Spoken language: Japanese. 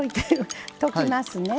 溶きますね。